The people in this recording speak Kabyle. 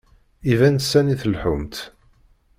Iban sani tleḥḥumt.